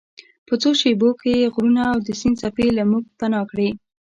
په څو شیبو کې یې غرونه او د سیند څپې له موږ پناه کړې.